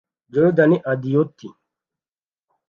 Jordan Adeoti